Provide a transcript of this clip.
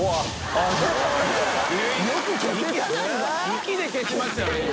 息で消しましたよね今。